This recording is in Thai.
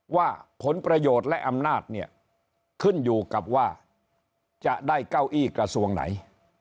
ว่าผลประโยชน์และอำนาจเนี่ยขึ้นอยู่กับว่าจะได้เก้าอี้กระทรวงไหน